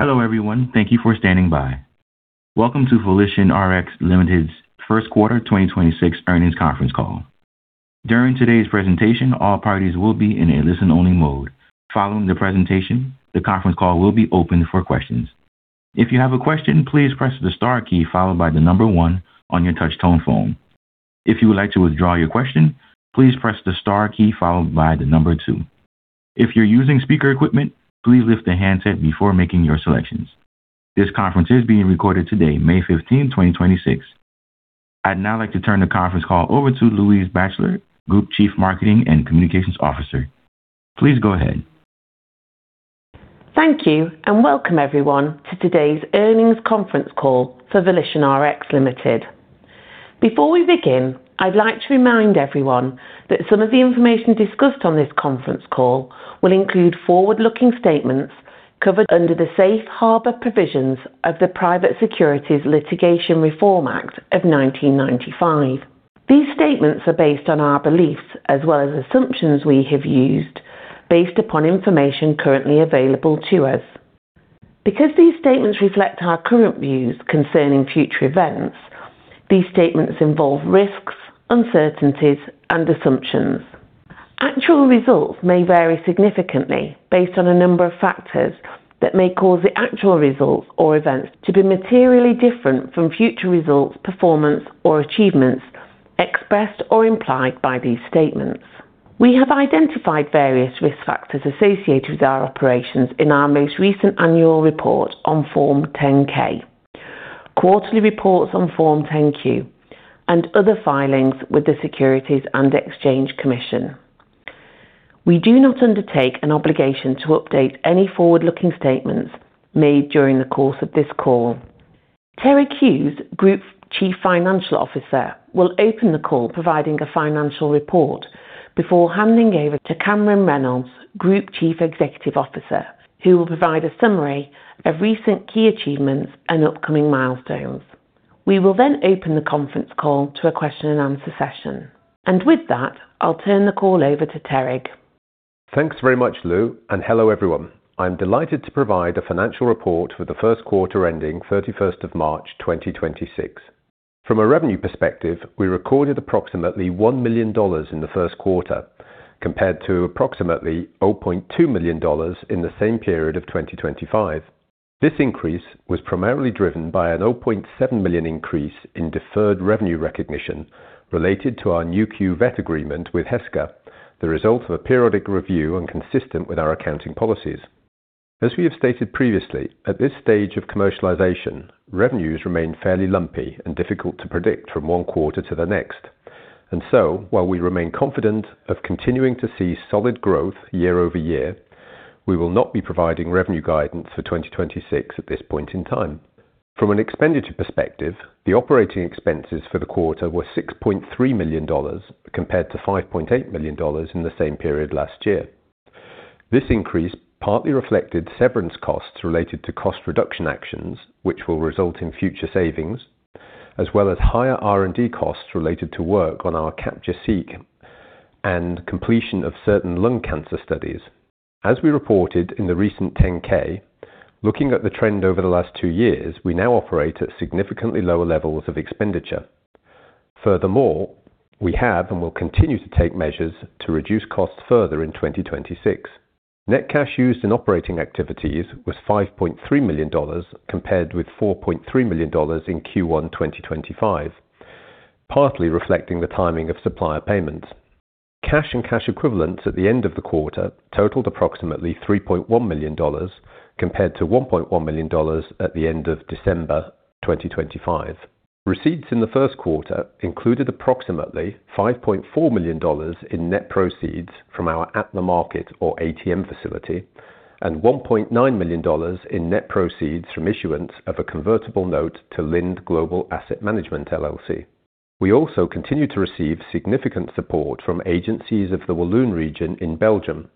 Hello, everyone. Thank you for standing by. Welcome to VolitionRx Limited's first quarter 2026 Earnings Conference Call. During today's presentation, all parties will be in a listen-only mode. Following the presentation, the conference call will be opened for questions. If you have question, please press star key followed by the number one on your touchtone phone. If you like to withdraw your question, please press starkey followed by the number two. If you're using speaker equipment, please lift the handset before making your selection. This conference is being recorded today, May 15th, 2026. I'd now like to turn the conference call over to Louise Batchelor, Group Chief Marketing and Communications Officer. Please go ahead. Thank you, welcome everyone to today's earnings conference call for VolitionRx Limited. Before we begin, I'd like to remind everyone that some of the information discussed on this conference call will include forward-looking statements covered under the safe harbor provisions of the Private Securities Litigation Reform Act of 1995. These statements are based on our beliefs as well as assumptions we have used based upon information currently available to us. Because these statements reflect our current views concerning future events, these statements involve risks, uncertainties, and assumptions. Actual results may vary significantly based on a number of factors that may cause the actual results or events to be materially different from future results, performance, or achievements expressed or implied by these statements. We have identified various risk factors associated with our operations in our most recent annual report on Form 10-K, quarterly reports on Form 10-Q, and other filings with the Securities and Exchange Commission. We do not undertake an obligation to update any forward-looking statements made during the course of this call. Terig Hughes, Group Chief Financial Officer, will open the call providing a financial report before handing over to Cameron Reynolds, Group Chief Executive Officer, who will provide a summary of recent key achievements and upcoming milestones. We will then open the conference call to a question and answer session. With that, I'll turn the call over to Terig. Thanks very much, Lou, hello everyone. I'm delighted to provide a financial report for the first quarter ending 31st of March 2026. From a revenue perspective, we recorded approximately $1 million in the first quarter compared to approximately $0.2 million in the same period of 2025. This increase was primarily driven by a $0.7 million increase in deferred revenue recognition related to our Nu.Q Vet agreement with Heska, the result of a periodic review and consistent with our accounting policies. As we have stated previously, at this stage of commercialization, revenues remain fairly lumpy and difficult to predict from 1 quarter to the next. While we remain confident of continuing to see solid growth year-over-year, we will not be providing revenue guidance for 2026 at this point in time. From an expenditure perspective, the operating expenses for the quarter were $6.3 million compared to $5.8 million in the same period last year. This increase partly reflected severance costs related to cost reduction actions, which will result in future savings, as well as higher R&D costs related to work on our CaptureSeq and completion of certain lung cancer studies. As we reported in the recent 10-K, looking at the trend over the last two years, we now operate at significantly lower levels of expenditure. Furthermore, we have and will continue to take measures to reduce costs further in 2026. Net cash used in operating activities was $5.3 million compared with $4.3 million in Q1 2025, partly reflecting the timing of supplier payments. Cash and cash equivalents at the end of the quarter totaled approximately $3.1 million compared to $1.1 million at the end of December 2025. Receipts in the first quarter included approximately $5.4 million in net proceeds from our at the market or ATM facility and $1.9 million in net proceeds from issuance of a convertible note to Lind Global Asset Management LLC. We also continue to receive significant support from agencies of the Walloon region in Belgium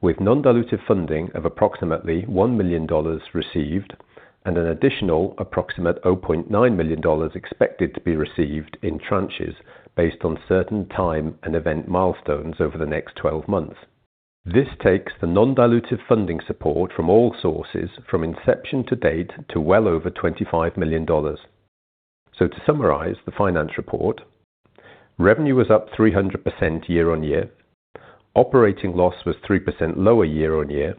with non-dilutive funding of approximately $1 million received and an additional approximate $0.9 million expected to be received in tranches based on certain time and event milestones over the next 12 months. This takes the non-dilutive funding support from all sources from inception to date to well over $25 million. To summarize the finance report, revenue was up 300% year-on-year. Operating loss was 3% lower year-on-year.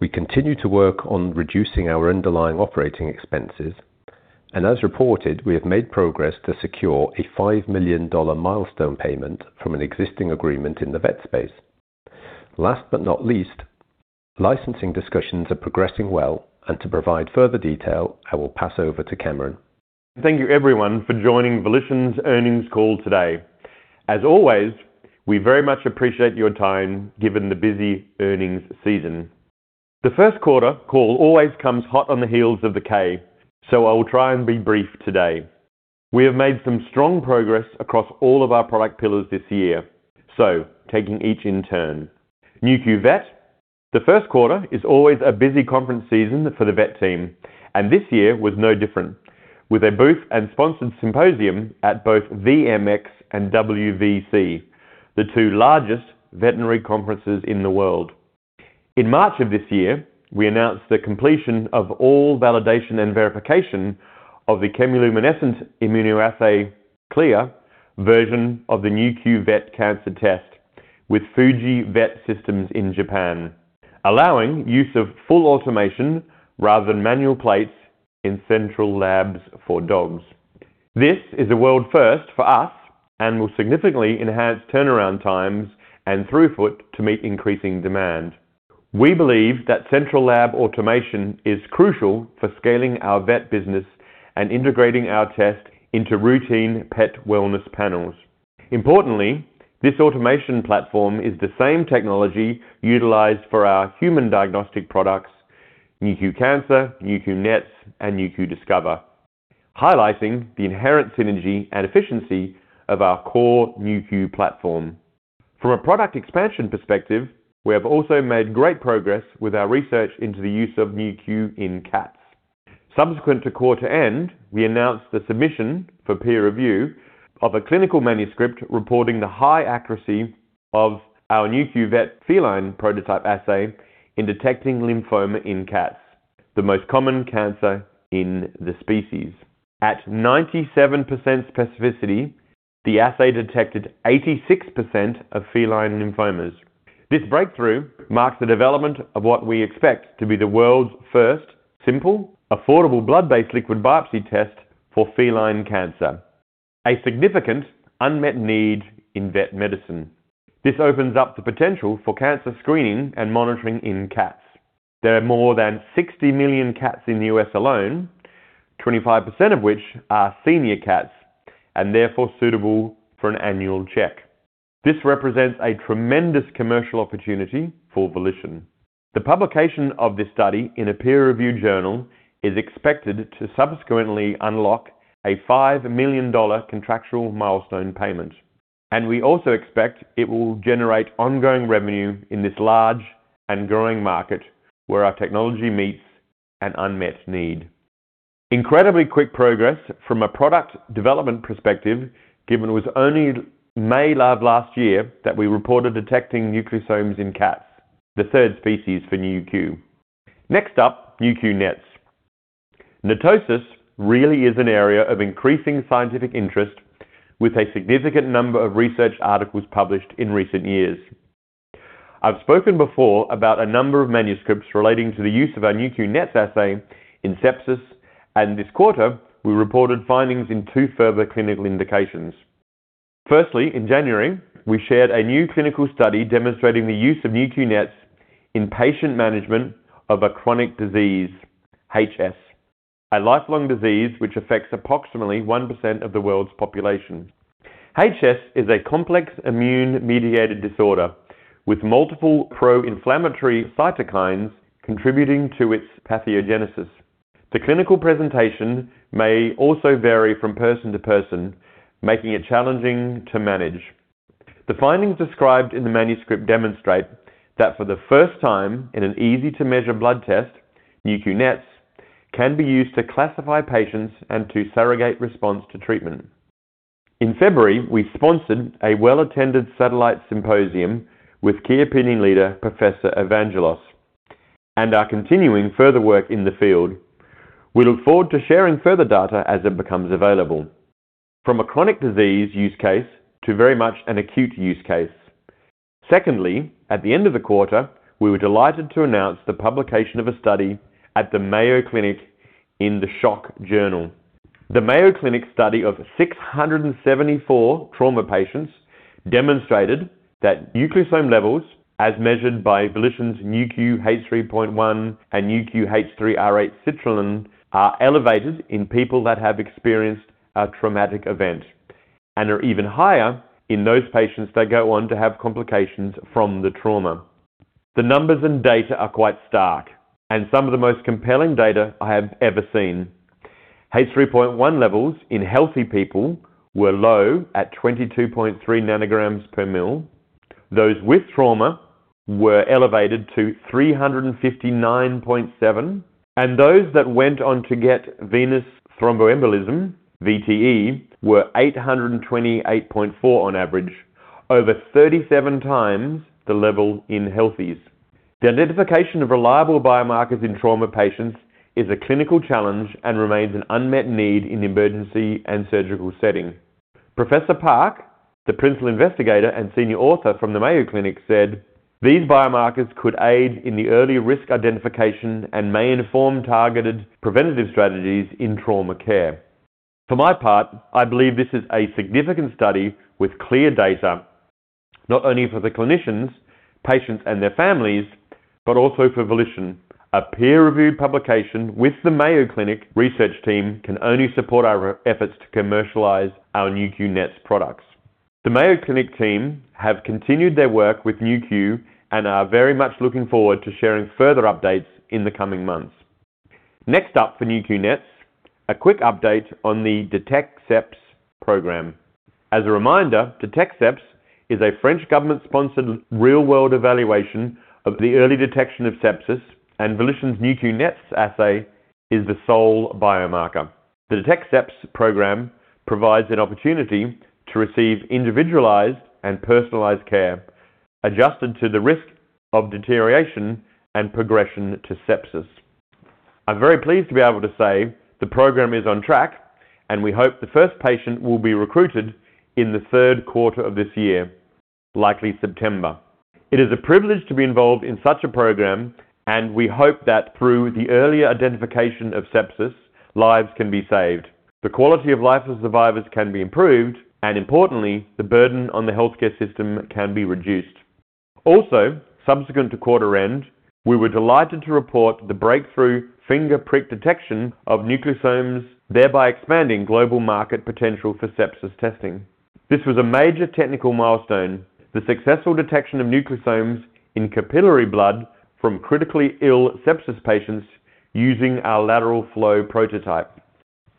We continue to work on reducing our underlying operating expenses. As reported, we have made progress to secure a $5 million milestone payment from an existing agreement in the vet space. Last but not least, licensing discussions are progressing well, and to provide further detail, I will pass over to Cameron. Thank you everyone for joining Volition's earnings call today. As always, we very much appreciate your time given the busy earnings season. The 1st quarter call always comes hot on the heels of the K, so I will try and be brief today. We have made some strong progress across all of our product pillars this year. Taking each in turn. Nu.Q Vet. The 1st quarter is always a busy conference season for the vet team, and this year was no different. With a booth and sponsored symposium at both VMX and WVC, the two largest veterinary conferences in the world. In March of this year, we announced the completion of all validation and verification of the chemiluminescent immunoassay CLIA version of the Nu.Q Vet cancer test with Fujifilm Vet Systems in Japan, allowing use of full automation rather than manual plates in central labs for dogs. This is a world first for us and will significantly enhance turnaround times and throughput to meet increasing demand. We believe that central lab automation is crucial for scaling our vet business and integrating our test into routine pet wellness panels. Importantly, this automation platform is the same technology utilized for our human diagnostic products, Nu.Q Cancer, Nu.Q NETs, and Nu.Q Discover, highlighting the inherent synergy and efficiency of our core Nu.Q platform. From a product expansion perspective, we have also made great progress with our research into the use of Nu.Q in cats. Subsequent to quarter end, we announced the submission for peer review of a clinical manuscript reporting the high accuracy of our Nu.Q Vet Feline prototype assay in detecting lymphoma in cats, the most common cancer in the species. At 97% specificity, the assay detected 86% of feline lymphomas. This breakthrough marks the development of what we expect to be the world's first simple, affordable blood-based liquid biopsy test for feline cancer, a significant unmet need in vet medicine. This opens up the potential for cancer screening and monitoring in cats. There are more than 60 million cats in the U.S. alone, 25% of which are senior cats and therefore suitable for an annual check. This represents a tremendous commercial opportunity for Volition. The publication of this study in a peer-reviewed journal is expected to subsequently unlock a $5 million contractual milestone payment, and we also expect it will generate ongoing revenue in this large and growing market where our technology meets an unmet need. Incredibly quick progress from a product development perspective, given it was only May of last year that we reported detecting nucleosomes in cats, the third species for Nu.Q. Next up, Nu.Q NETs. NETosis really is an area of increasing scientific interest with a significant number of research articles published in recent years. I've spoken before about a number of manuscripts relating to the use of our Nu.Q NETs assay in sepsis, and this quarter, we reported findings in two further clinical indications. Firstly, in January, we shared a new clinical study demonstrating the use of Nu.Q NETs in patient management of a chronic disease, HS, a lifelong disease which affects approximately 1% of the world's population. HS is a complex immune-mediated disorder with multiple pro-inflammatory cytokines contributing to its pathogenesis. The clinical presentation may also vary from person to person, making it challenging to manage. The findings described in the manuscript demonstrate that for the first time in an easy-to-measure blood test, Nu.Q NETs can be used to classify patients and to surrogate response to treatment. In February, we sponsored a well-attended satellite symposium with key opinion leader Professor Evangelos and are continuing further work in the field. We look forward to sharing further data as it becomes available. From a chronic disease use case to very much an acute use case. Secondly, at the end of the quarter, we were delighted to announce the publication of a study at the Mayo Clinic in the Shock Journal. The Mayo Clinic study of 674 trauma patients demonstrated that nucleosome levels, as measured by Volition's Nu.Q H3.1 and Nu.Q H3R8 Citrulline, are elevated in people that have experienced a traumatic event and are even higher in those patients that go on to have complications from the trauma. The numbers and data are quite stark and some of the most compelling data I have ever seen. H3.1 levels in healthy people were low at 22.3 ng per mil. Those with trauma were elevated to 359.7. Those that went on to get venous thromboembolism, VTE, were 828.4 on average, over 37 times the level in healthies. The identification of reliable biomarkers in trauma patients is a clinical challenge and remains an unmet need in the emergency and surgical setting. Jae K. Oh, M.D., the principal investigator and senior author from the Mayo Clinic, said, These biomarkers could aid in the early risk identification and may inform targeted preventative strategies in trauma care. For my part, I believe this is a significant study with clear data, not only for the clinicians, patients, and their families, but also for Volition. A peer-reviewed publication with the Mayo Clinic research team can only support our efforts to commercialize our Nu.Q NETs products. The Mayo Clinic team have continued their work with Nu.Q and are very much looking forward to sharing further updates in the coming months. Next up for Nu.Q NETs, a quick update on the DETECSEPS program. As a reminder, DETECSEPS is a French government-sponsored real-world evaluation of the early detection of sepsis and Volition's Nu.Q NETs assay is the sole biomarker. The DETECSEPS program provides an opportunity to receive individualized and personalized care adjusted to the risk of deterioration and progression to sepsis. I'm very pleased to be able to say the program is on track, and we hope the first patient will be recruited in the third quarter of this year, likely September. It is a privilege to be involved in such a program, and we hope that through the earlier identification of sepsis, lives can be saved. The quality of life of survivors can be improved, and importantly, the burden on the healthcare system can be reduced. Also, subsequent to quarter end, we were delighted to report the breakthrough finger prick detection of nucleosomes, thereby expanding global market potential for sepsis testing. This was a major technical milestone, the successful detection of nucleosomes in capillary blood from critically ill sepsis patients using our lateral flow prototype.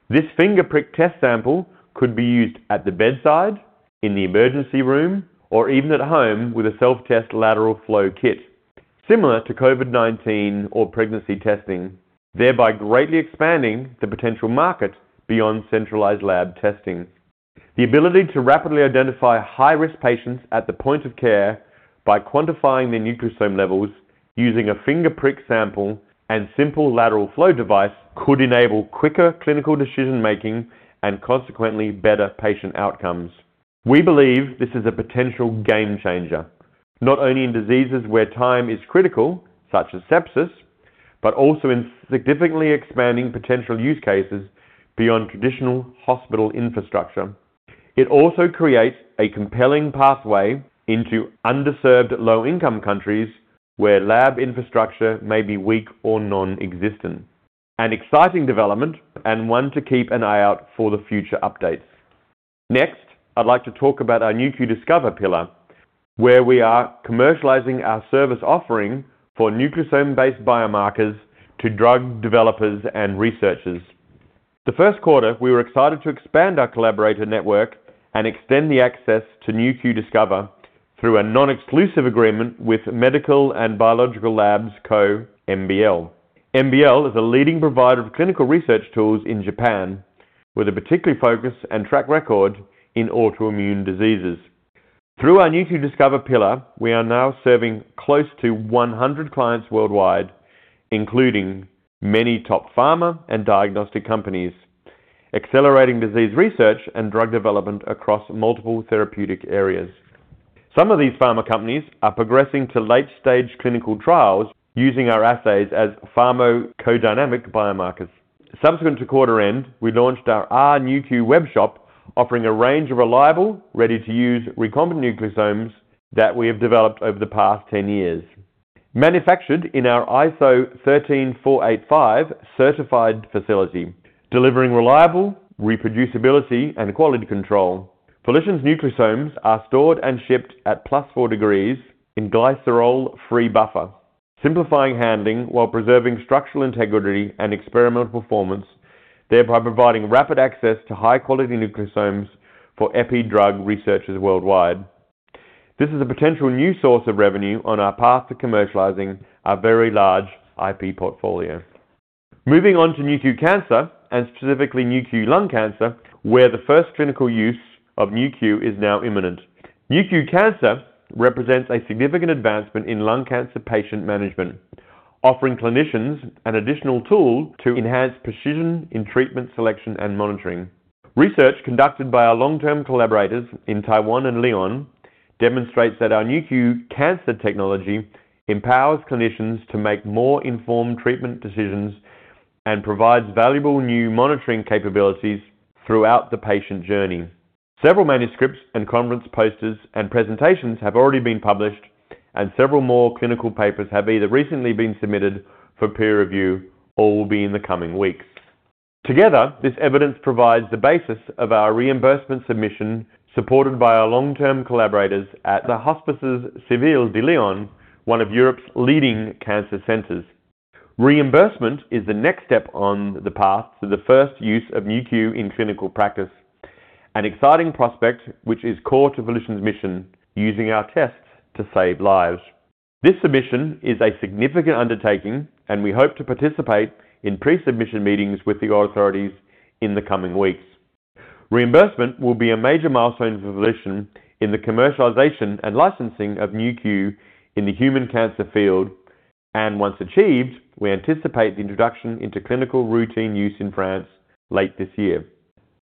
This finger prick test sample could be used at the bedside, in the emergency room, or even at home with a self-test lateral flow kit, similar to COVID-19 or pregnancy testing, thereby greatly expanding the potential market beyond centralized lab testing. The ability to rapidly identify high-risk patients at the point of care by quantifying their nucleosome levels using a finger prick sample and simple lateral flow device could enable quicker clinical decision-making and consequently better patient outcomes. We believe this is a potential game changer, not only in diseases where time is critical, such as sepsis, but also in significantly expanding potential use cases beyond traditional hospital infrastructure. It also creates a compelling pathway into underserved low-income countries where lab infrastructure may be weak or non-existent. An exciting development and one to keep an eye out for the future updates. Next, I'd like to talk about our Nu.Q Discover pillar, where we are commercializing our service offering for nucleosome-based biomarkers to drug developers and researchers. The 1st quarter, we were excited to expand our collaborator network and extend the access to Nu.Q Discover through a non-exclusive agreement with Medical & Biological Labs Co, MBL. MBL is a leading provider of clinical research tools in Japan, with a particular focus and track record in autoimmune diseases. Through our Nu.Q Discover pillar, we are now serving close to 100 clients worldwide, including many top pharma and diagnostic companies, accelerating disease research and drug development across multiple therapeutic areas. Some of these pharma companies are progressing to late-stage clinical trials using our assays as pharmacodynamic biomarkers. Subsequent to quarter end, we launched our rNu.Q webshop, offering a range of reliable, ready-to-use recombinant nucleosomes that we have developed over the past 10 years. Manufactured in our ISO 13485 certified facility, delivering reliable reproducibility and quality control. Volition's nucleosomes are stored and shipped at plus four degrees in glycerol-free buffer, simplifying handling while preserving structural integrity and experimental performance, thereby providing rapid access to high-quality nucleosomes for epi drug researchers worldwide. This is a potential new source of revenue on our path to commercializing our very large IP portfolio. Moving on to Nu.Q Cancer, and specifically Nu.Q Lung Cancer, where the first clinical use of Nu.Q is now imminent. Nu.Q Cancer represents a significant advancement in lung cancer patient management, offering clinicians an additional tool to enhance precision in treatment selection and monitoring. Research conducted by our long-term collaborators in Taiwan and Lyon demonstrates that our Nu.Q Cancer technology empowers clinicians to make more informed treatment decisions and provides valuable new monitoring capabilities throughout the patient journey. Several manuscripts and conference posters and presentations have already been published, and several more clinical papers have either recently been submitted for peer review or will be in the coming weeks. Together, this evidence provides the basis of our reimbursement submission supported by our long-term collaborators at the Hospices Civils de Lyon, one of Europe's leading cancer centers. Reimbursement is the next step on the path to the first use of Nu.Q in clinical practice, an exciting prospect which is core to Volition's mission, using our tests to save lives. This submission is a significant undertaking, and we hope to participate in pre-submission meetings with the authorities in the coming weeks. Reimbursement will be a major milestone for Volition in the commercialization and licensing of Nu.Q in the human cancer field, and once achieved, we anticipate the introduction into clinical routine use in France late this year.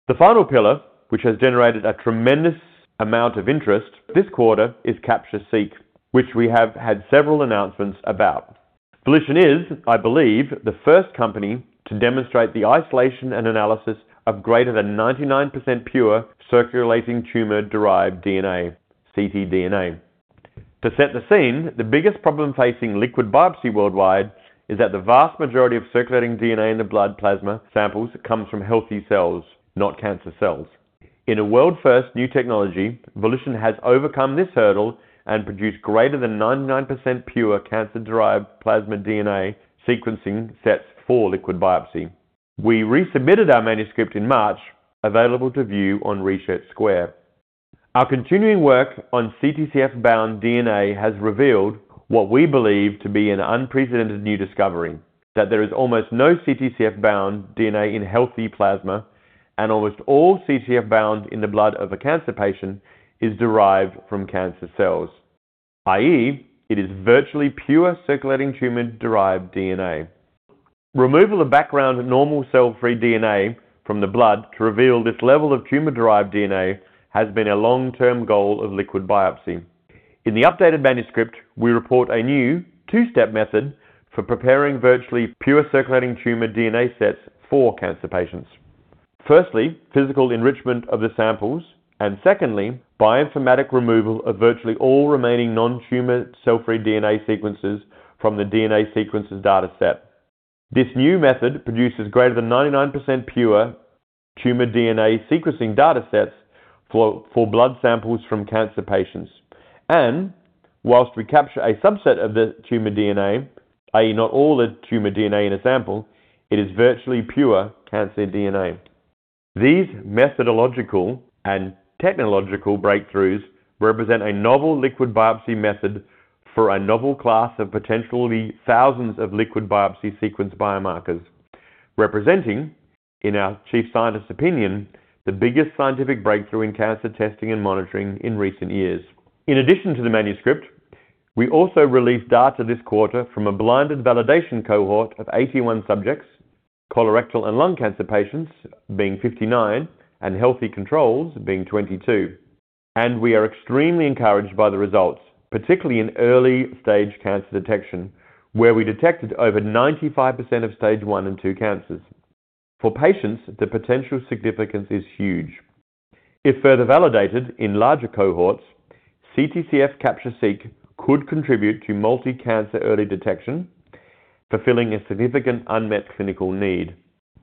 The final pillar, which has generated a tremendous amount of interest this quarter, is Capture-Seq, which we have had several announcements about. Volition is, I believe, the first company to demonstrate the isolation and analysis of greater than 99% pure circulating tumor-derived DNA, ctDNA. To set the scene, the biggest problem facing liquid biopsy worldwide is that the vast majority of circulating DNA in the blood plasma samples comes from healthy cells, not cancer cells. In a world-first new technology, Volition has overcome this hurdle and produced greater than 99% pure cancer-derived plasma DNA sequencing sets for liquid biopsy. We resubmitted our manuscript in March, available to view on Research Square. Our continuing work on CTCF-bound DNA has revealed what we believe to be an unprecedented new discovery, that there is almost no CTCF-bound DNA in healthy plasma, and almost all CTCF bound in the blood of a cancer patient is derived from cancer cells, i.e., it is virtually pure circulating tumor-derived DNA. Removal of background normal cell-free DNA from the blood to reveal this level of tumor-derived DNA has been a long-term goal of liquid biopsy. In the updated manuscript, we report a new two-step method for preparing virtually pure circulating tumor DNA sets for cancer patients. Firstly, physical enrichment of the samples, and secondly, bioinformatic removal of virtually all remaining non-tumor cell-free DNA sequences from the DNA sequences data set. This new method produces greater than 99% pure tumor DNA sequencing data sets for blood samples from cancer patients. Whilst we capture a subset of the tumor DNA, i.e., not all the tumor DNA in a sample, it is virtually pure cancer DNA. These methodological and technological breakthroughs represent a novel liquid biopsy method for a novel class of potentially thousands of liquid biopsy sequence biomarkers, representing, in our chief scientist's opinion, the biggest scientific breakthrough in cancer testing and monitoring in recent years. In addition to the manuscript, we also released data this quarter from a blinded validation cohort of 81 subjects, colorectal and lung cancer patients being 59 and healthy controls being 22. We are extremely encouraged by the results, particularly in early stage cancer detection, where we detected over 95% of stage 1 and 2 cancers. For patients, the potential significance is huge. If further validated in larger cohorts, CTCF Capture-Seq could contribute to multi-cancer early detection, fulfilling a significant unmet clinical need.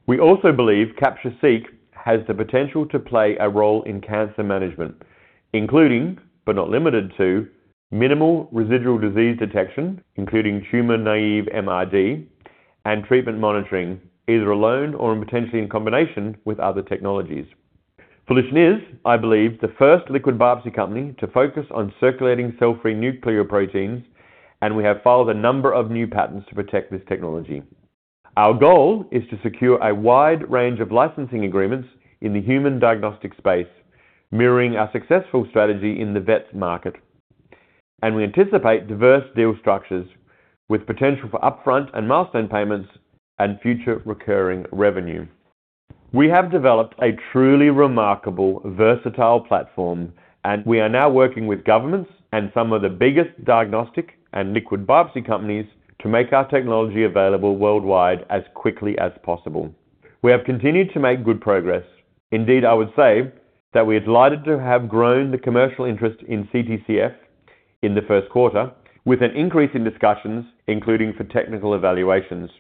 We also believe Capture-Seq has the potential to play a role in cancer management, including, but not limited to, minimal residual disease detection, including tumor-naive MRD, and treatment monitoring, either alone or potentially in combination with other technologies. Volition is, I believe, the first liquid biopsy company to focus on circulating cell-free nuclear proteins, and we have filed a number of new patents to protect this technology. Our goal is to secure a wide range of licensing agreements in the human diagnostic space, mirroring our successful strategy in the vets market. We anticipate diverse deal structures with potential for upfront and milestone payments and future recurring revenue. We have developed a truly remarkable, versatile platform, and we are now working with governments and some of the biggest diagnostic and liquid biopsy companies to make our technology available worldwide as quickly as possible. We have continued to make good progress. Indeed, I would say that we're delighted to have grown the commercial interest in CTCF in the first quarter, with an increase in discussions, including for technical evaluations.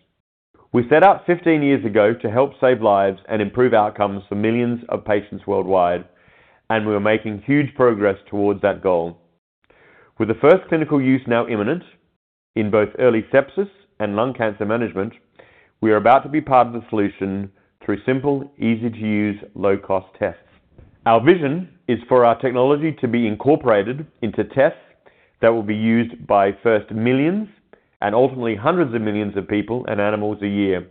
We set out 15 years ago to help save lives and improve outcomes for millions of patients worldwide, and we're making huge progress towards that goal. With the first clinical use now imminent in both early sepsis and lung cancer management, we are about to be part of the solution through simple, easy-to-use, low-cost tests. Our vision is for our technology to be incorporated into tests that will be used by first millions and ultimately hundreds of millions of people and animals a year,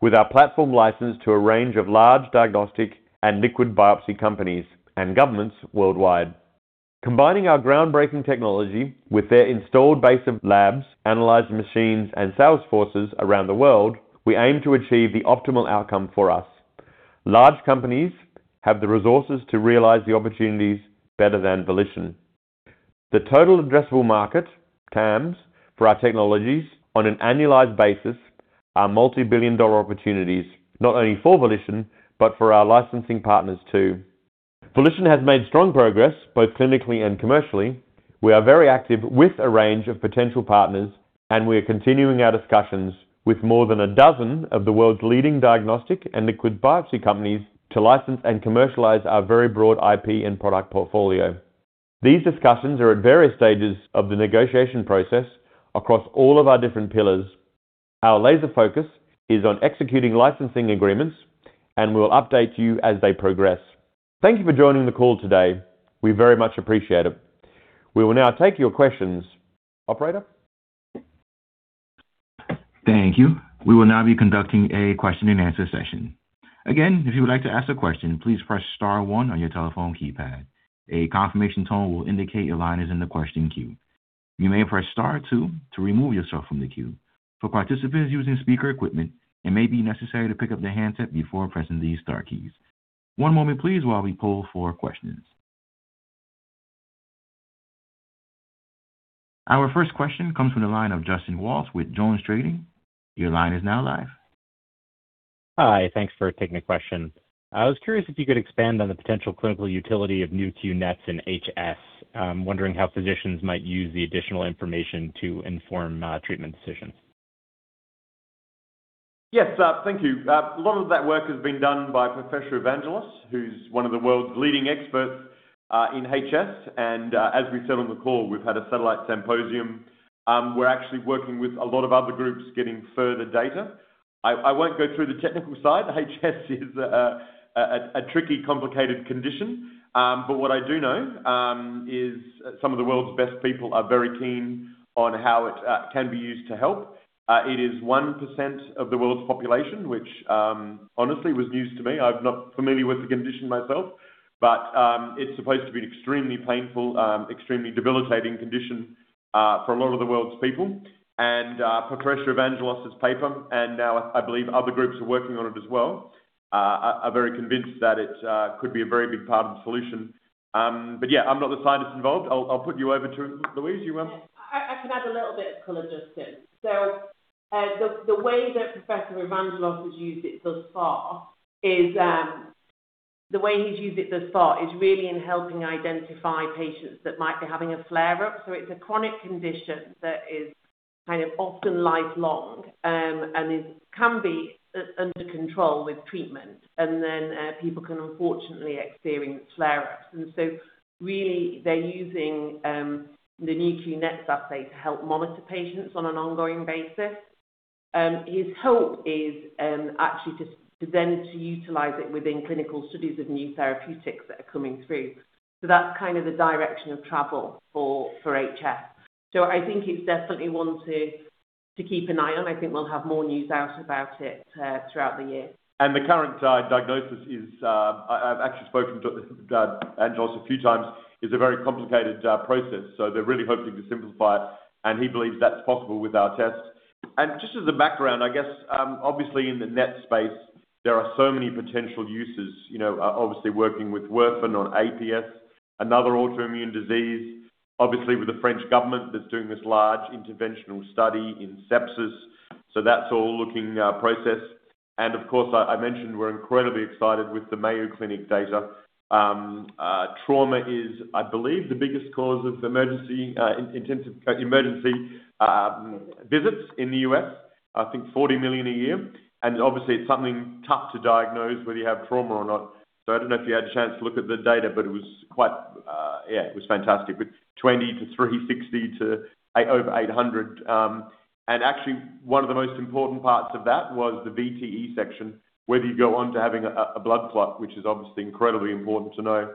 with our platform licensed to a range of large diagnostic and liquid biopsy companies and governments worldwide. Combining our groundbreaking technology with their installed base of labs, analyzer machines, and sales forces around the world, we aim to achieve the optimal outcome for us. Large companies have the resources to realize the opportunities better than Volition. The total addressable market, TAMs, for our technologies on an annualized basis are multi-billion dollar opportunities, not only for Volition, but for our licensing partners too. Volition has made strong progress both clinically and commercially. We are very active with a range of potential partners, and we are continuing our discussions with more than one dozen of the world's leading diagnostic and liquid biopsy companies to license and commercialize our very broad IP and product portfolio. These discussions are at various stages of the negotiation process across all of our different pillars. Our laser focus is on executing licensing agreements, and we'll update you as they progress. Thank you for joining the call today. We very much appreciate it. We will now take your questions. Operator? Thank you. We will now be conducting a question-and-answer session. Again, if you would like to ask a question, please press star one on your telephone keypad. A confirmation tone will indicate your line is in the question queue. You may press star two to remove yourself from the queue. For participants using speaker equipment, it may be necessary to pick up the handset before pressing these star keys. One moment please while we poll for questions. Our first question comes from the line of Justin Walsh with JonesTrading. Your line is now live. Hi. Thanks for taking the question. I was curious if you could expand on the potential clinical utility of Nu.Q NETs and HS. Wondering how physicians might use the additional information to inform treatment decisions. Thank you. A lot of that work has been done by Evangelos Georgiou, who's one of the world's leading experts in HS. As we said on the call, we've had a satellite symposium. We're actually working with a lot of other groups getting further data. I won't go through the technical side. HS is a tricky, complicated condition. What I do know is some of the world's best people are very keen on how it can be used to help. It is 1% of the world's population, which honestly was news to me. I'm not familiar with the condition myself, but it's supposed to be an extremely painful, extremely debilitating condition for a lot of the world's people. Evangelos Georgiou's paper, and now I believe other groups are working on it as well, are very convinced that it could be a very big part of the solution. Yeah, I'm not the scientist involved. I'll put you over to Louise. You want- I can add a little bit of color, Justin. The way Evangelos Georgiou has used it thus far is really in helping identify patients that might be having a flare-up. It's a chronic condition that is kind of often lifelong, and is can be under control with treatment, then people can unfortunately experience flare-ups. Really, they're using the Nu.Q NETs assay to help monitor patients on an ongoing basis. His hope is actually then to utilize it within clinical studies of new therapeutics that are coming through. That's kind of the direction of travel for HS. I think it's definitely one to keep an eye on. I think we'll have more news out about it throughout the year. The current diagnosis is I've actually spoken to Evangelos a few times, is a very complicated process, so they're really hoping to simplify it, and he believes that's possible with our tests. Just as a background, I guess, obviously in the NET space, there are so many potential uses. You know, obviously working with Werfen on APS, another autoimmune disease. Obviously, with the French government that's doing this large interventional study in sepsis, so that's all looking processed. Of course, I mentioned we're incredibly excited with the Mayo Clinic data. Trauma is, I believe, the biggest cause of emergency in intensive care, emergency visits in the U.S. I think $40 million a year, and obviously it's something tough to diagnose whether you have trauma or not. I don't know if you had a chance to look at the data, but it was quite, Yeah, it was fantastic, with 20-360 to over 800. Actually, one of the most important parts of that was the VTE section, whether you go on to having a blood clot, which is obviously incredibly important to know.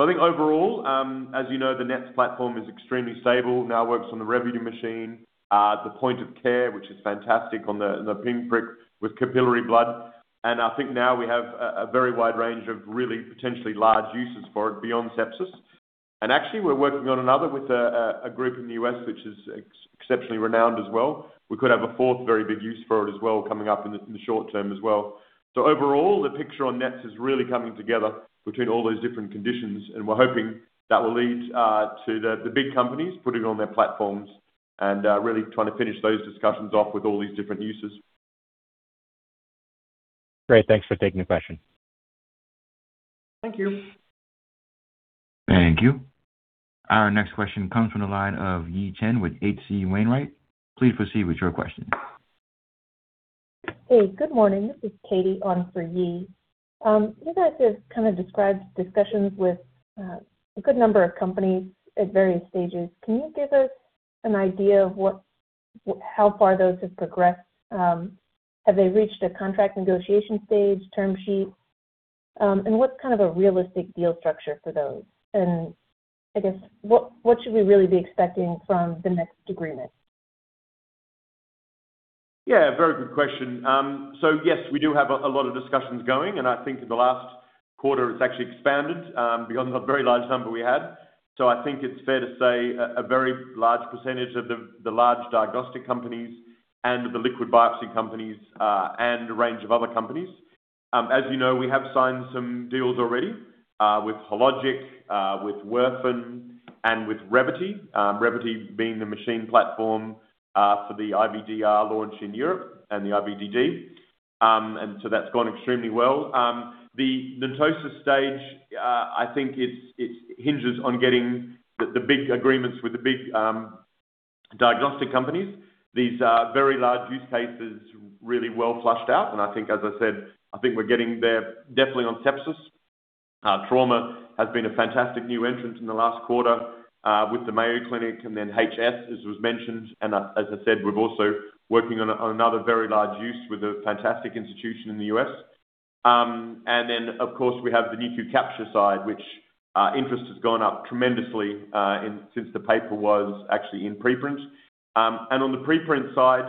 I think overall, as you know, the Nu.Q NETs platform is extremely stable, now works on the Revvity machine at the point of care, which is fantastic on the pin prick with capillary blood. I think now we have a very wide range of really potentially large uses for it beyond sepsis. Actually, we're working on another with a group in the U.S. which is exceptionally renowned as well. We could have a fourth very big use for it as well coming up in the short-term as well. Overall, the picture on NETs is really coming together between all those different conditions, and we're hoping that will lead to the big companies putting it on their platforms and really trying to finish those discussions off with all these different uses. Great. Thanks for taking the question. Thank you. Thank you. Our next question comes from the line of Yi Chen with H.C. Wainwright. Please proceed with your question. Hey, good morning. This is Katie on for Yi. You guys have kind of described discussions with a good number of companies at various stages. Can you give us an idea of what how far those have progressed? Have they reached a contract negotiation stage, term sheet? What's kind of a realistic deal structure for those? I guess, what should we really be expecting from the next agreement? Yeah, very good question. Yes, we do have a lot of discussions going, and I think in the last quarter it's actually expanded beyond the very large number we had. I think it's fair to say a very large percentage of the large diagnostic companies and the liquid biopsy companies, and a range of other companies. As you know, we have signed some deals already with Hologic, with Werfen, and with Revvity being the machine platform for the IVDR launch in Europe and the IVDR. That's gone extremely well. The NETosis stage, I think it hinges on getting the big agreements with the big diagnostic companies. These very large use cases really well fleshed out, and I think, as I said, I think we're getting there definitely on sepsis. Trauma has been a fantastic new entrance in the last quarter, with the Mayo Clinic and then Shock, as was mentioned. As, as I said, we're also working on another very large use with a fantastic institution in the U.S. Of course, we have the Nu.Q Capture side, which interest has gone up tremendously since the paper was actually in preprint. On the preprint side,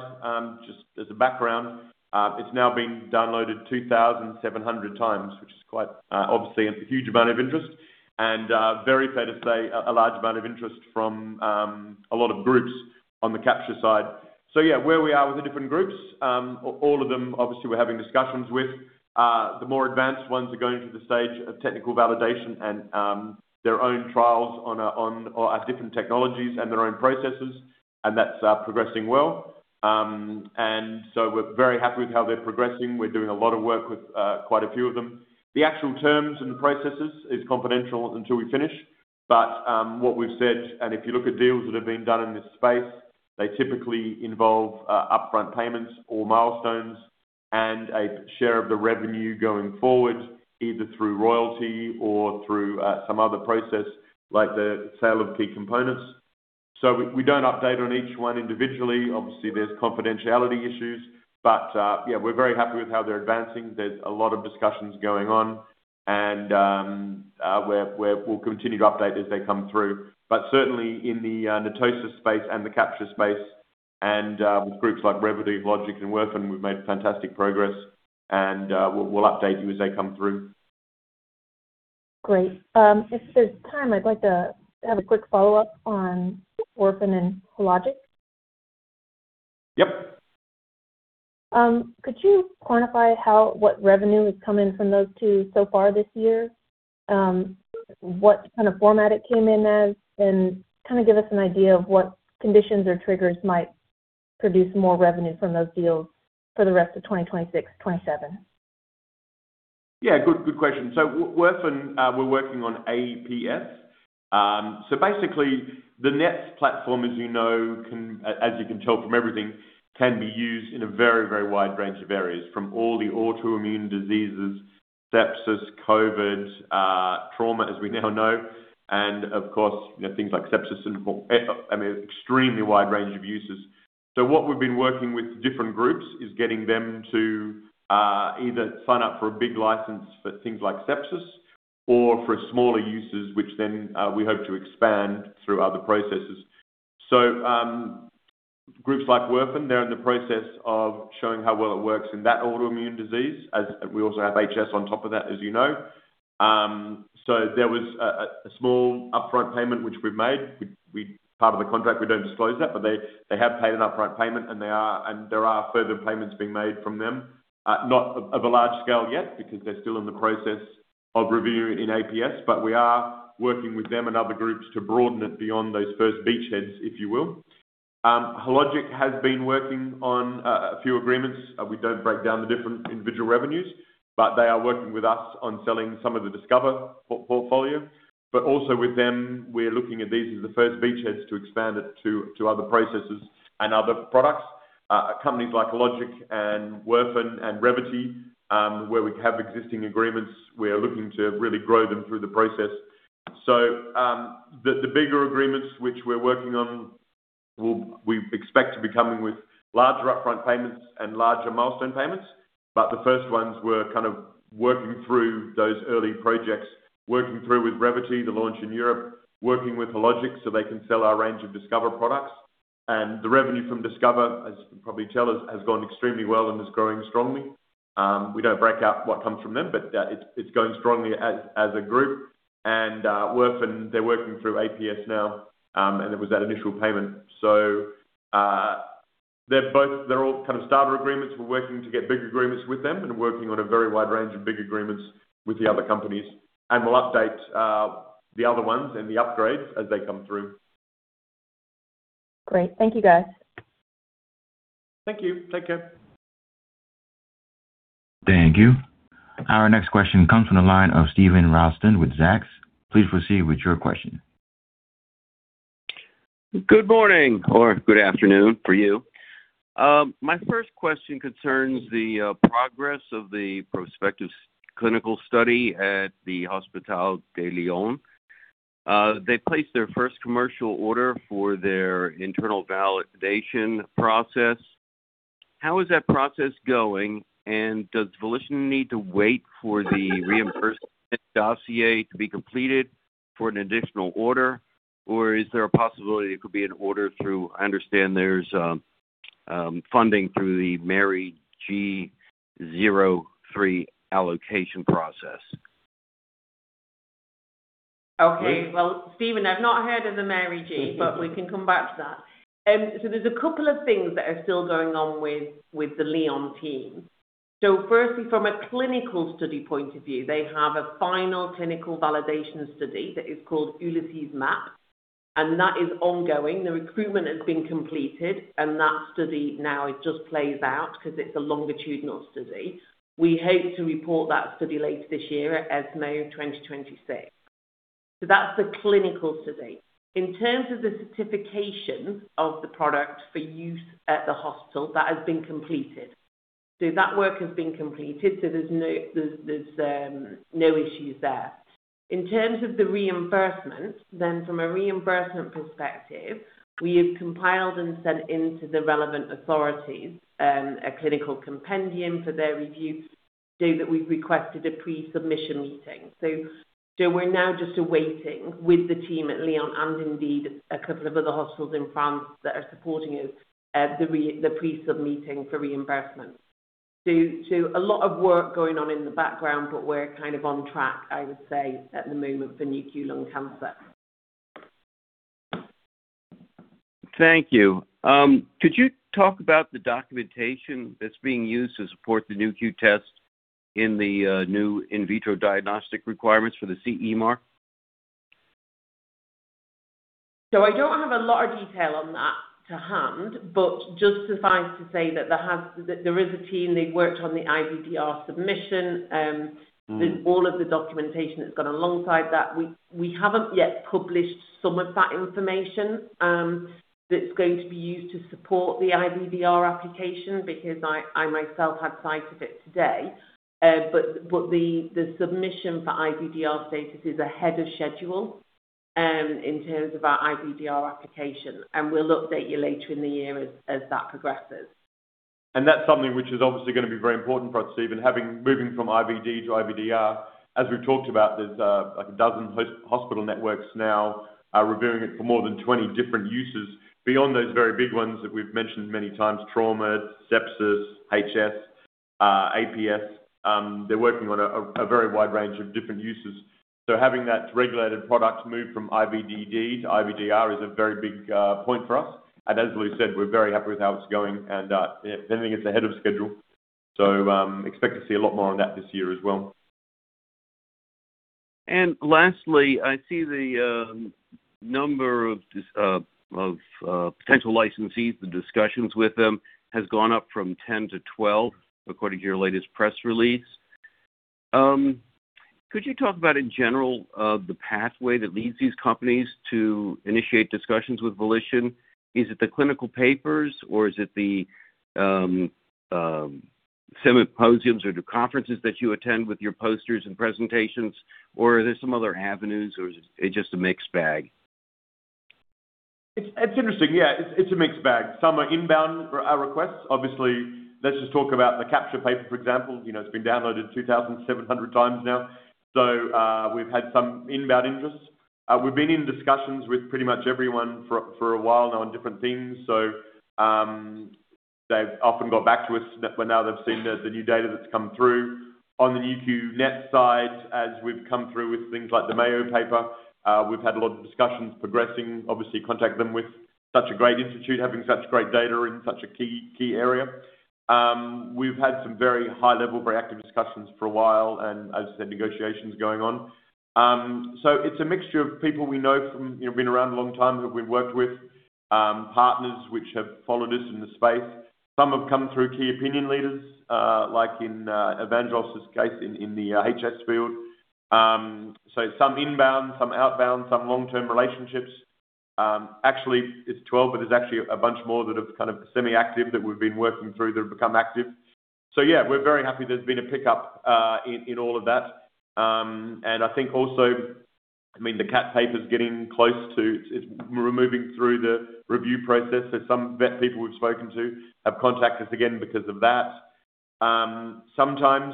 just as a background, it's now been downloaded 2,700x, which is quite, obviously it's a huge amount of interest. Very fair to say a large amount of interest from a lot of groups on the Capture side. Yeah, where we are with the different groups, all of them obviously we're having discussions with. The more advanced ones are going through the stage of technical validation and their own trials on or at different technologies and their own processes, and that's progressing well. We're very happy with how they're progressing. We're doing a lot of work with quite a few of them. The actual terms and the processes is confidential until we finish, but what we've said, and if you look at deals that have been done in this space, they typically involve upfront payments or milestones and a share of the revenue going forward, either through royalty or through some other process like the sale of key components. We don't update on each one individually. Obviously, there's confidentiality issues, yeah, we're very happy with how they're advancing. There's a lot of discussions going on, we'll continue to update as they come through. Certainly in the NETosis space and the Capture-Seq space with groups like Revvity, Hologic, and Werfen, we've made fantastic progress, we'll update you as they come through. Great. If there's time, I'd like to have a quick follow-up on Werfen and Hologic. Yep. Could you quantify what revenue has come in from those two so far this year? What kind of format it came in as, and kind of give us an idea of what conditions or triggers might produce more revenue from those deals for the rest of 2026, 2027. Yeah. Good, good question. Werfen, we're working on APS. Basically, the NETs platform, as you know, as you can tell from everything, can be used in a very, very wide range of areas, from all the autoimmune diseases, sepsis, COVID, trauma, as we now know, and of course, you know, things like sepsis syndrome. I mean, extremely wide range of uses. What we've been working with different groups is getting them to either sign up for a big license for things like sepsis or for smaller uses, which then we hope to expand through other processes. Groups like Werfen, they're in the process of showing how well it works in that autoimmune disease, as we also have HS on top of that, as you know. There was a small upfront payment which we've made. Part of the contract, we don't disclose that, but they have paid an upfront payment, and there are further payments being made from them. Not of a large scale yet because they're still in the process of reviewing in APS, but we are working with them and other groups to broaden it beyond those first beachheads, if you will. Hologic has been working on a few agreements. We don't break down the different individual revenues, but they are working with us on selling some of the Discover portfolio. Also with them, we're looking at these as the first beachheads to expand it to other processes and other products. Companies like Hologic and Werfen and Revvity, where we have existing agreements, we are looking to really grow them through the process. The bigger agreements which we're working on, we expect to be coming with larger upfront payments and larger milestone payments, but the first ones we're kind of working through those early projects, working through with Revvity, the launch in Europe, working with Hologic so they can sell our range of Discover products. The revenue from Discover, as you can probably tell, has gone extremely well and is growing strongly. We don't break out what comes from them, but it's going strongly as a group. Werfen, they're working through APS now, and there was that initial payment. They're all kind of starter agreements. We're working to get bigger agreements with them and working on a very wide range of big agreements with the other companies. We'll update the other ones and the upgrades as they come through. Great. Thank you, guys. Thank you. Take care. Thank you. Our next question comes from the line of Steven Ralston with Zacks. Please proceed with your question. Good morning, or good afternoon for you. My first question concerns the progress of the prospective clinical study at the Hospices Civils de Lyon. They placed their first commercial order for their internal validation process. How is that process going, and does Volition need to wait for the reimbursement dossier to be completed for an additional order, or is there a possibility it could be an order through I understand there's funding through the MERRI G03 allocation process. Okay. Well, Steven, I've not heard of the MERRI G03, but we can come back to that. There's a couple of things that are still going on with the Lyon team. Firstly, from a clinical study point of view, they have a final clinical validation study that is called Ulysses Map, and that is ongoing. The recruitment has been completed, and that study now it just plays out 'cause it's a longitudinal study. We hope to report that study later this year at ESMO 2026. That's the clinical study. In terms of the certification of the product for use at the hospital, that has been completed. That work has been completed, so there's no issues there. In terms of the reimbursement, from a reimbursement perspective, we have compiled and sent into the relevant authorities, a clinical compendium for their review so that we've requested a pre-submission meeting. We're now just awaiting with the team at Lyon and indeed a couple of other hospitals in France that are supporting us, the pre-sub meeting for reimbursement. A lot of work going on in the background, but we're kind of on track, I would say, at the moment for Nu.Q Lung Cancer. Thank you. Could you talk about the documentation that's being used to support the Nu.Q test in the new in vitro diagnostic requirements for the CE mark? I don't have a lot of detail on that to hand, but just suffice to say that there is a team, they've worked on the IVDR submission. all of the documentation that's gone alongside that. We haven't yet published some of that information that's going to be used to support the IVDR application because I myself had sight of it today. The submission for IVDR status is ahead of schedule in terms of our IVDR application, and we'll update you later in the year as that progresses. That's something which is obviously going to be very important for us, Steven Ralston. Moving from IVDD to IVDR, as we've talked about, there's like a dozen hospital networks now are reviewing it for more than 20 different uses. Beyond those very big ones that we've mentioned many times, trauma, sepsis, HS, APS, they're working on a very wide range of different uses. Having that regulated product move from IVDD to IVDR is a very big point for us. As Louise Batchelor said, we're very happy with how it's going and everything is ahead of schedule. Expect to see a lot more on that this year as well. Lastly, I see the number of this of potential licensees, the discussions with them, has gone up from 10-12 according to your latest press release. Could you talk about in general the pathway that leads these companies to initiate discussions with Volition? Is it the clinical papers, or is it the symposiums or the conferences that you attend with your posters and presentations, or are there some other avenues, or is it just a mixed bag? It's interesting. Yeah, it's a mixed bag. Some are inbound requests. Obviously, let's just talk about the CaptureSeq paper, for example. You know, it's been downloaded 2,700x now. We've had some inbound interests. We've been in discussions with pretty much everyone for a while now on different things. They've often got back to us now that they've seen the new data that's come through. On the Nu.Q NETs side, as we've come through with things like the Mayo Clinic paper, we've had a lot of discussions progressing, obviously contact them with such a great institute, having such great data in such a key area. We've had some very high level, very active discussions for a while and as the negotiations going on. It's a mixture of people we know from, you know, been around a long time who we've worked with, partners which have followed us in the space. Some have come through key opinion leaders, like in Evangelos's case in the HS field. Some inbound, some outbound, some long-term relationships. Actually it's 12, but there's actually a bunch more that have kind of semi-active that we've been working through that have become active. Yeah, we're very happy there's been a pickup in all of that. And I think also, I mean, the cat paper's getting close to we're moving through the review process. Some vet people we've spoken to have contacted us again because of that. Sometimes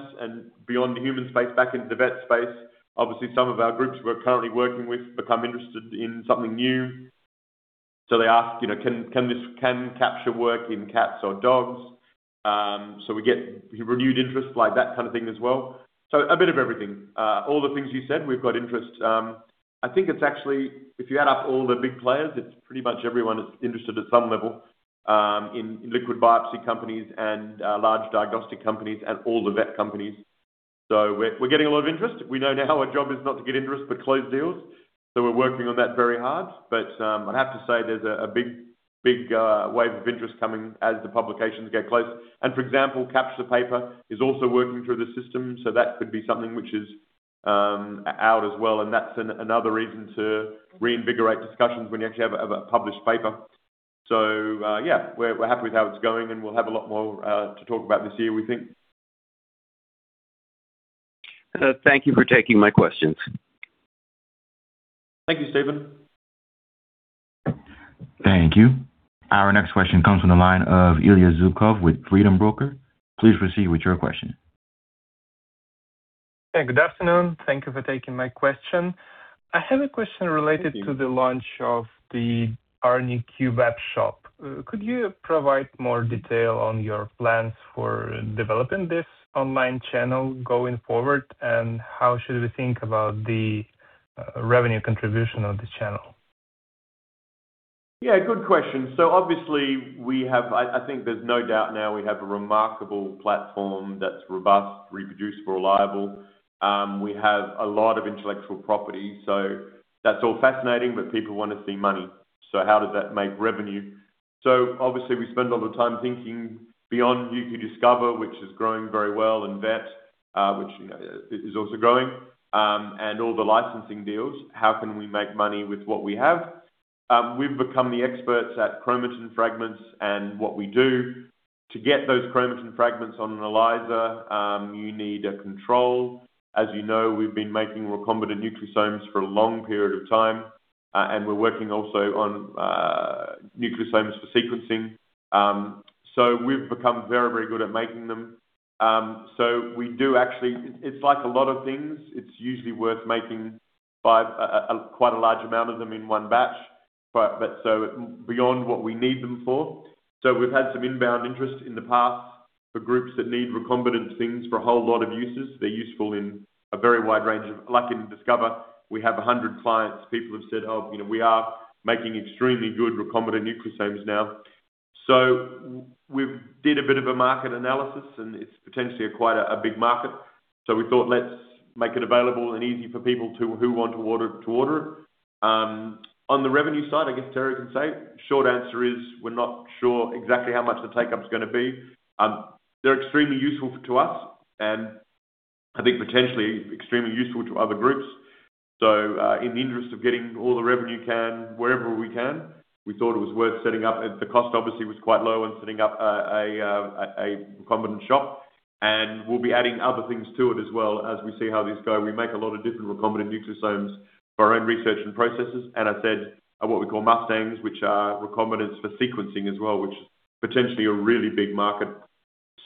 beyond the human space, back into the Vet space, obviously some of our groups we're currently working with become interested in something new. They ask, you know, "Can Capture work in cats or dogs?" We get renewed interest, like that kind of thing as well. A bit of everything. All the things you said, we've got interest. I think it's actually, if you add up all the big players, it's pretty much everyone is interested at some level in liquid biopsy companies and large diagnostic companies and all the Vet companies. We're getting a lot of interest. We know now our job is not to get interest, but close deals. We're working on that very hard. I'd have to say there's a big wave of interest coming as the publications get close. For example, Capture paper is also working through the system, so that could be something which is out as well, and that's another reason to reinvigorate discussions when you actually have a published paper. Yeah, we're happy with how it's going, and we'll have a lot more to talk about this year, we think. Thank you for taking my questions. Thank you, Steven. Thank you. Our next question comes from the line of Ilya Zhukov with Freedom Broker. Please proceed with your question. Hey, good afternoon. Thank you for taking my question. I have a question related to the launch of the rNuQ web shop. Could you provide more detail on your plans for developing this online channel going forward, and how should we think about the revenue contribution of this channel? Yeah, good question. Obviously we have, I think there's no doubt now we have a remarkable platform that's robust, reproducible, reliable. We have a lot of intellectual property, so that's all fascinating, but people wanna see money. How does that make revenue? Obviously we spend a lot of time thinking beyond Nu.Q Discover, which is growing very well, and Nu.Q Vet, which is also growing, and all the licensing deals. How can we make money with what we have? We've become the experts at chromatin fragments and what we do. To get those chromatin fragments on an ELISA, you need a control. As you know, we've been making recombinant nucleosomes for a long period of time, and we're working also on nucleosomes for sequencing. We've become very good at making them. We do actually, it's like a lot of things. It's usually worth making five, quite a large amount of them in one batch, so beyond what we need them for. We've had some inbound interest in the past for groups that need recombinant things for a whole lot of uses. They're useful in a very wide range of, like in Nu.Q Discover, we have 100 clients. People have said, "you know, we are making extremely good recombinant nucleosomes now." We've did a bit of a market analysis, and it's potentially quite a big market. We thought, let's make it available and easy for people to, who want to order it to order it. On the revenue side, I guess Terry can say. Short answer is we're not sure exactly how much the take-up's gonna be. They're extremely useful to us, and I think potentially extremely useful to other groups. In the interest of getting all the revenue can wherever we can, we thought it was worth setting up. The cost obviously was quite low when setting up a recombinant shop, and we'll be adding other things to it as well as we see how these go. We make a lot of different recombinant nucleosomes for our own research and processes, and I said, what we call Mustangs, which are recombinants for sequencing as well, which is potentially a really big market.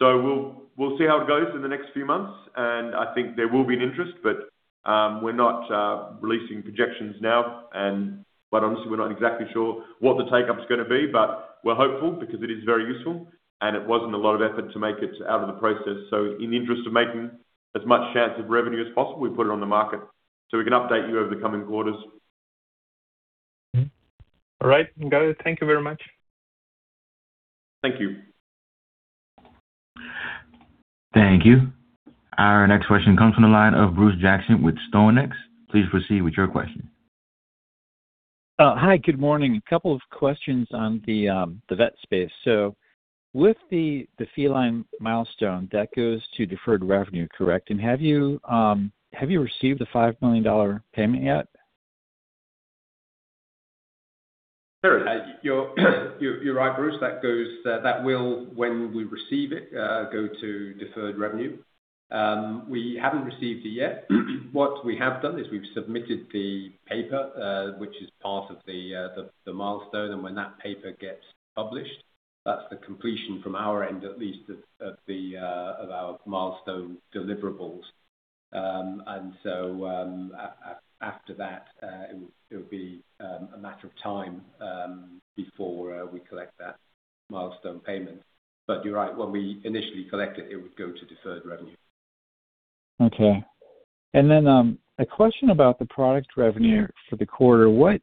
We'll see how it goes in the next few months, and I think there will be an interest, but we're not releasing projections now. Honestly, we're not exactly sure what the take-up's going to be, but we're hopeful because it is very useful, and it wasn't a lot of effort to make it out of the process. In the interest of making as much chance of revenue as possible, we put it on the market. We can update you over the coming quarters. Mm-hmm. All right, got it. Thank you very much. Thank you. Thank you. Our next question comes from the line of Bruce Jackson with StoneX. Please proceed with your question. Hi. Good morning. A couple of questions on the vet space. With the feline milestone, that goes to deferred revenue, correct? Have you received the $5 million payment yet? Terry? You're right, Bruce. That goes, that will, when we receive it, go to deferred revenue. We haven't received it yet. What we have done is we've submitted the paper, which is part of the milestone, and when that paper gets published, that's the completion from our end, at least of our milestone deliverables. After that, it would be a matter of time before we collect that milestone payment. You're right, when we initially collect it would go to deferred revenue. Okay. A question about the product revenue for the quarter. What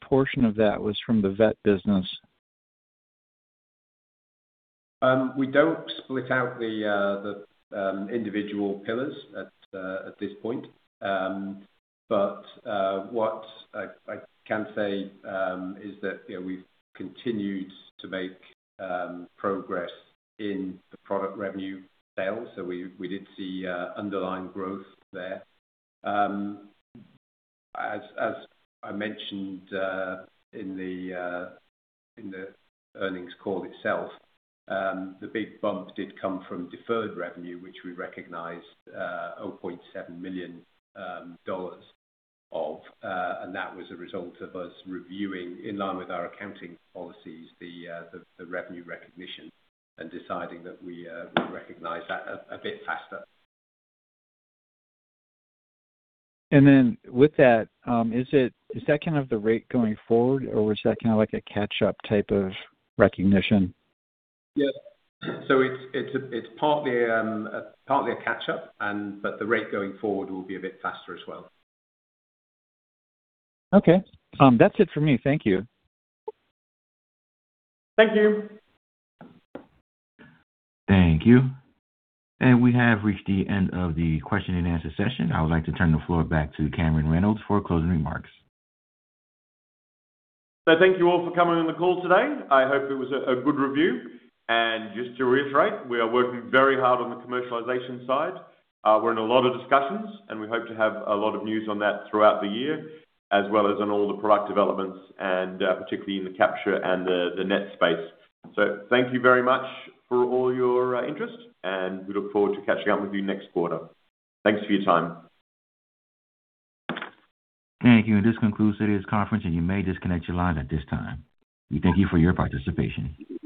portion of that was from the vet business? We don't split out the individual pillars at this point. What I can say, you know, is that we've continued to make progress in the product revenue sales. We did see underlying growth there. As I mentioned in the earnings call itself, the big bump did come from deferred revenue, which we recognized $0.7 million of. That was a result of us reviewing, in line with our accounting policies, the revenue recognition and deciding that we recognize that a bit faster. With that, is that kind of the rate going forward, or was that kind of like a catch-up type of recognition? Yeah. It's partly a catch-up and, but the rate going forward will be a bit faster as well. Okay. That's it for me. Thank you. Thank you. Thank you. We have reached the end of the question and answer session. I would like to turn the floor back to Cameron Reynolds for closing remarks. Thank you all for coming on the call today. I hope it was a good review. Just to reiterate, we are working very hard on the commercialization side. We're in a lot of discussions, and we hope to have a lot of news on that throughout the year as well as on all the product developments and particularly in the Capture and the NETs space. Thank you very much for all your interest, and we look forward to catching up with you next quarter. Thanks for your time. Thank you. This concludes today's conference. You may disconnect your line at this time. We thank you for your participation.